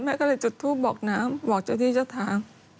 แม่ก็เลยจุดทูปบอกน้ำบอกเจ้าที่เจ้าทาง